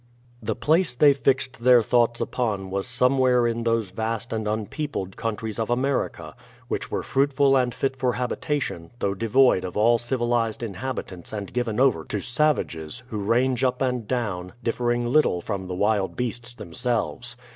The place they fixed their thoughts upon was somewhere in those vast and unpeopled countries of America, which were fruitful and fit for habitation, though devoid of all civilized inhabitants and given over to savages, who range up and down, differing little from the wild beasts them selves.